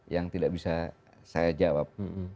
yang tidak bisa saya jawab